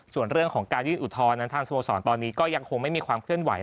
ส่วนเรื่องของการยื่นอุทธรณ์นั้นทางสโมสรตอนนี้ก็ยังคงไม่มีความเคลื่อนไห